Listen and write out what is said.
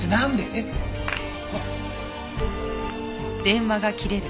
えっ？あっ。